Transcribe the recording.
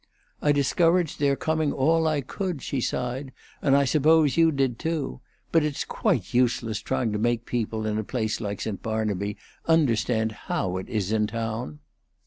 "I discouraged their coming all I could," she sighed, "and I suppose you did, too. But it's quite useless trying to make people in a place like St. Barnaby understand how it is in town."